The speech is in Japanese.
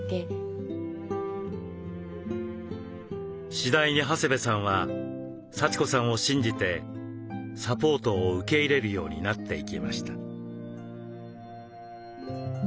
次第に長谷部さんは幸子さんを信じてサポートを受け入れるようになっていきました。